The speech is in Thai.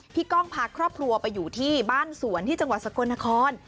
ก้องพาครอบครัวไปอยู่ที่บ้านสวนที่จังหวัดสกลนคร